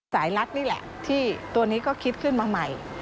รัฐนี่แหละที่ตัวนี้ก็คิดขึ้นมาใหม่